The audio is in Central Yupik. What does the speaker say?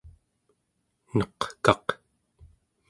neqkaq